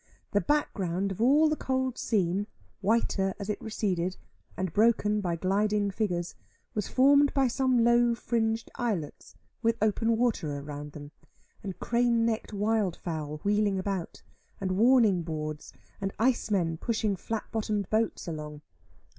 The background of all the cold scene, whiter as it receded, and broken by gliding figures, was formed by some low fringed islets, with open water around them, and crane necked wild fowl wheeling about, and warning boards, and icemen pushing flat bottomed boats along.